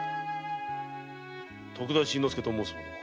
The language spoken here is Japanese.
徳田新之助と申す者だ。